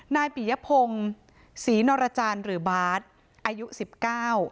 นายปิยพงศรีนรจารย์หรือบาสอายุสิบเก้า